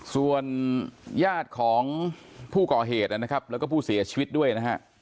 ส่วนญาติของผู้ก่อเหตุนะครับแล้วก็ผู้เสียชีวิตด้วยนะฮะ